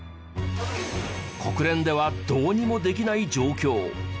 国連ではどうにもできない状況。